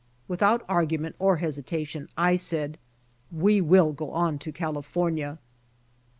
Without argument or hesitation, I said, "We will go on to California."